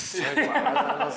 ありがとうございます。